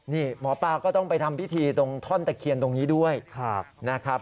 นี่หมอปลาก็ต้องไปทำพิธีตรงท่อนตะเคียนตรงนี้ด้วยนะครับ